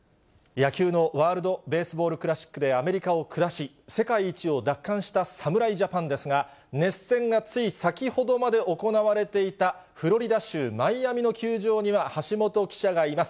野球のワールドベースボールクラシックでアメリカを下し、世界一を奪還した侍ジャパンですが、熱戦がつい先ほどまで行われていたフロリダ州マイアミの球場には、橋本記者がいます。